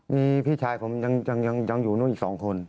มีพี่ชายผมยังอยู่นู้นอีก๒คน